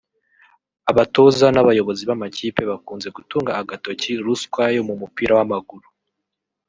abatoza n’abayobozi b’amakipe bakunze gutunga agatoki ruswa yo mu mupira w’amaguru